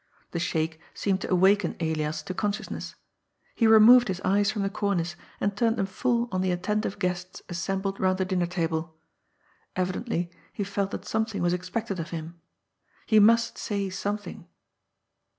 The shake seemed to awaken Elias to consciousness. He removed his eyes from the cornice, and turned them full on the attentive guests assembled round the dinner table. Evidently he felt that something was expected of him. He must say something.